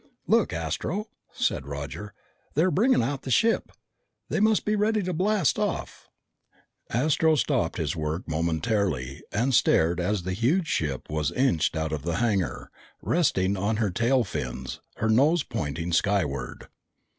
"Look, Astro," said Roger. "They're bringing out the ship. They must be ready to blast off!" Astro stopped his work momentarily and stared as the huge ship was inched out of the hangar, resting on her tail fins, her nose pointing skyward.